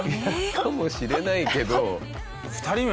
かもしれないけど。